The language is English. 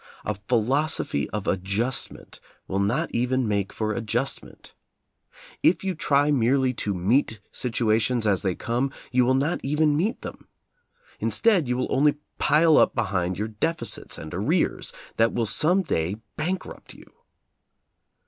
A philosophy of adjustment will not even make for adjustment. If you try merely to "meet" situations as they come, you will not even meet them. Instead you will only pile up behind you deficits and arrears that will some day bankrupt you.